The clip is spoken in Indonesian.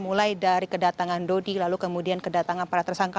mulai dari kedatangan dodi lalu kemudian kedatangan para tersangka